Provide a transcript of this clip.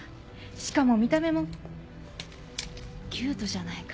しかも見た目もキュートじゃないか。